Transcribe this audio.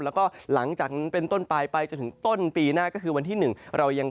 แล้วก็หลังจากนั้นเป็นต้นปลายไปจนถึงต้นปีหน้าก็คือวันที่๑เรายัง